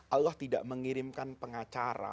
allah tidak mengirimkan pengacara